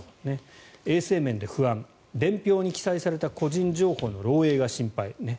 衛生面で不安伝票に記載された個人情報の漏えいが心配。